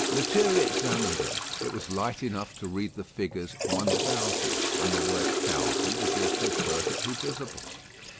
Lethierry examined them. It was light enough to read the figures "1000," and the word "thousand" was also perfectly visible.